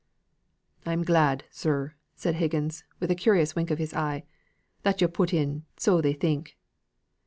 "I'm glad, sir," said Higgins, with a curious wink of his eye, "that yo' put in, 'so they think.